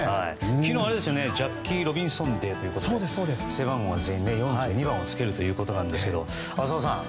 昨日ジャッキー・ロビンソンデーということで背番号は全員４２番をつけるということなんですけど浅尾さん